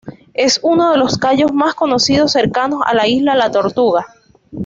Es uno de los cayos más conocidos cercanos a la isla La Tortuga.